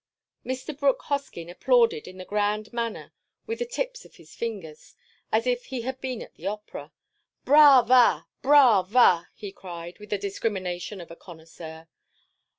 Mr. Brooke Hoskyn applauded in the grand manner with the tips of his fingers, as if he had been at the Opera. "Brava! Brava!" he cried, with the discrimination of a connoisseur.